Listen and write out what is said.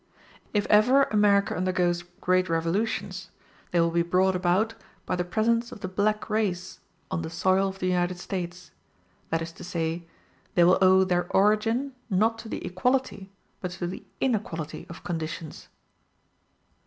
If ever America undergoes great revolutions, they will be brought about by the presence of the black race on the soil of the United States that is to say, they will owe their origin, not to the equality, but to the inequality, of conditions.